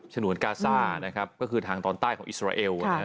ฉนวนกาซ่านะครับก็คือทางตอนใต้ของอิสราเอลนะครับ